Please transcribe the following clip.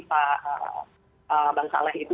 pak bang saleh itu